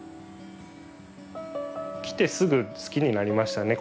来てすぐ好きになりましたね